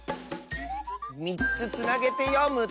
３つつなげてよむと。